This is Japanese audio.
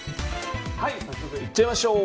早速行っちゃいましょう。